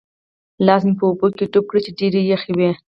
لاس مې په اوبو کې ډوب کړ چې ډېرې یخې وې.